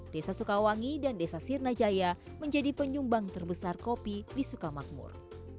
desa sukawangi dan desa sirnajaya menjadi penyumbang terbesar kopi di sukamakmur